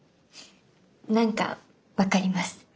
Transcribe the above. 何か分かります。